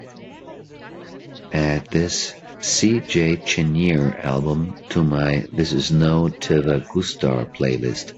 Add this C J Chenier album to my this is no te va gustar playlist